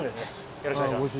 よろしくお願いします